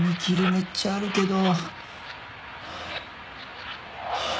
めっちゃあるけど。